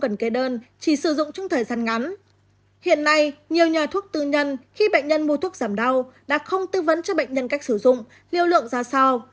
trong thời gian ngắn hiện nay nhiều nhà thuốc tư nhân khi bệnh nhân mua thuốc giảm đau đã không tư vấn cho bệnh nhân cách sử dụng liều lượng ra sao